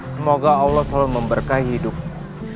semoga allah selalu memberkahi hidupmu